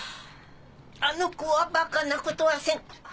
あの子はバカなことはせん！